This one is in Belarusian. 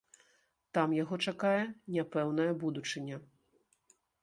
Там яго чакае няпэўная будучыня.